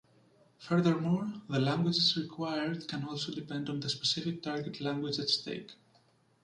Furthermore, the languages required can also depend on the specific target language at stake.